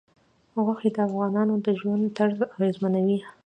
غوښې د افغانانو د ژوند طرز اغېزمنوي.